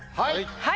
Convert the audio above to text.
はい。